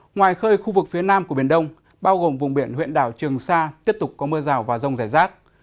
ngoài khơi khu vực phía nam của biển đông bao gồm vùng biển huyện đảo trường sa tiếp tục có mưa rào và rông rải rác